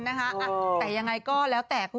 นี่อย่าปล่อยนะลูก